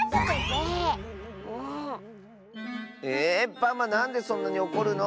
パマなんでそんなにおこるの。